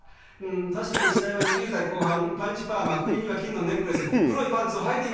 確かに死体は２０代後半パンチパーマ首には金のネックレス黒いパンツをはいていました。